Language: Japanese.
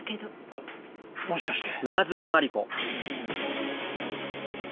あっもしかして。